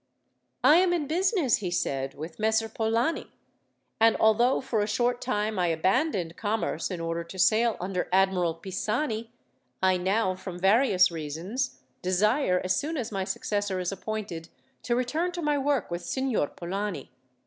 "I am in business," he said, "with Messer Polani, and although, for a short time, I abandoned commerce in order to sail under Admiral Pisani, I now, from various reasons, desire, as soon as my successor is appointed, to return to my work with Signor Polani.